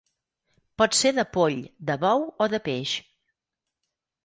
Pot ser de poll, de bou o de peix.